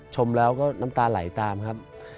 ชมแล้วก็น้ำตาไหลตามครับ